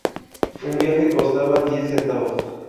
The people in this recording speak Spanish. Un viaje costaba diez centavos.